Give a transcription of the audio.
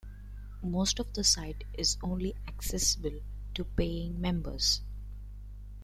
Most of the site is only accessible to paying members.